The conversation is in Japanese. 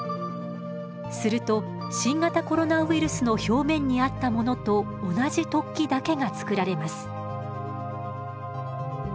すると新型コロナウイルスの表面にあったものと同じ突起だけがつくられます。